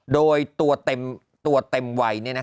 โดยตัวเต็มวัย